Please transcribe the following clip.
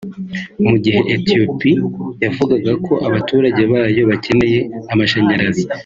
mu gihe Ethiopie yavugaga ko abaturage bayo bakeneye amashanyarazi